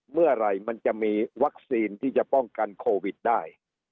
เมื่อไหร่มันจะมีวัคซีนที่จะป้องกันโควิดได้